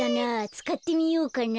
つかってみようかな。